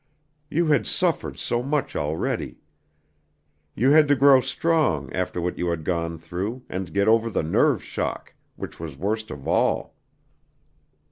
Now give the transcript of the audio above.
You had suffered so much already. You had to grow strong after what you had gone through, and get over the nerve shock, which was worst of all."